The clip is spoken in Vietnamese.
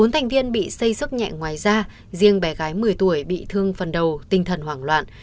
bốn thành viên bị xây sức nhẹ ngoài da riêng bé gái một mươi tuổi bị thương phần đầu tinh thần hoảng loạn